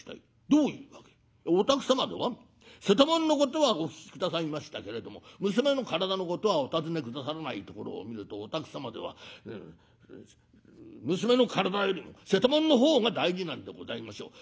『どういうわけ』『お宅様では瀬戸物のことはお聞き下さいましたけれども娘の体のことはお尋ね下さらないところを見るとお宅様では娘の体よりも瀬戸物の方が大事なんでございましょう。